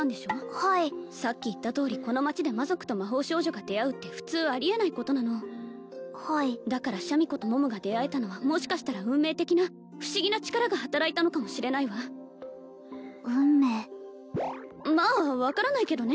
はいさっき言ったとおりこの町で魔族と魔法少女が出会うって普通ありえないことなのはいだからシャミ子と桃が出会えたのはもしかしたら運命的な不思議な力が働いたのかもしれないわ運命まあ分からないけどね